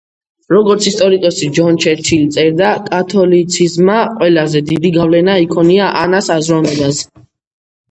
როგორც ისტორიკოსი ჯონ ჩერჩილი წერდა, „კათოლიციზმმა ყველაზე დიდი გავლენა იქონია ანას აზროვნებაზე“.